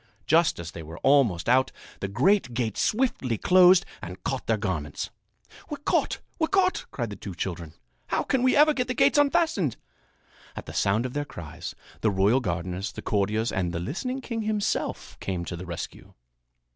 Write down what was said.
Just as they were almost out, the great gates swiftly closed and caught their garments. "We're caught! We're caught!" cried the two children. "How can we ever get the gates unfastened!" At the sound of their cries, the royal gardeners, the courtiers and the listening king himself came to the rescue.